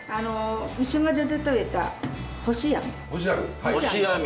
牛窓でとれた干しあみ。